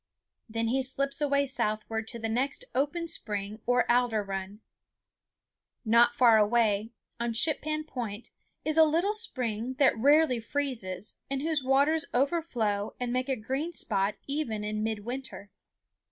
Then he slips away southward to the next open spring or alder run. Not far away, on Shippan Point, is a little spring that rarely freezes and whose waters overflow and make a green spot even in midwinter.